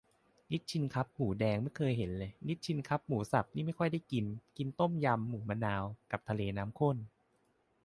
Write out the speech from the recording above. นิชชินคัพหมูแดงไม่เคยเห็นเลย นิชชินคัพหมูสับนี่ไม่ค่อยได้กิน กินต้มยำ หมูมะนาว กะ ทะเลน้ำข้น